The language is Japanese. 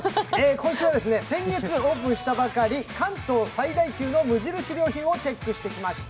今週は先月オープンしたばかり、関東最大級の無印良品をチェックしてきました。